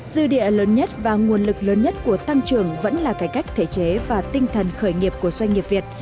dư địa lớn nhất và nguồn lực lớn nhất của tăng trưởng vẫn là cải cách thể chế và tinh thần khởi nghiệp của doanh nghiệp việt